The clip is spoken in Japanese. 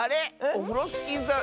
オフロスキーさん